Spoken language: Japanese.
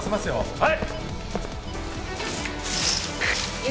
はい。